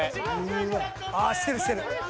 ［うわっああしてるしてる］